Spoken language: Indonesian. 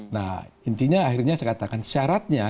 nah intinya akhirnya saya katakan syaratnya